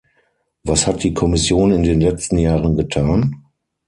Was hat die Kommission in den letzten Jahren getan?